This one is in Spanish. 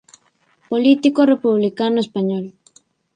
Político republicano español.